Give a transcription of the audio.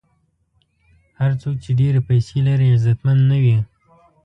هر څوک چې ډېرې پیسې لري، عزتمن نه وي.